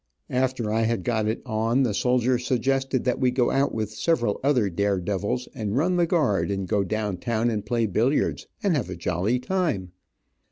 After I had got it on, the soldier suggested that we go out with several other dare devils, and run the guard and go down town and play billiards, and have a jolly time.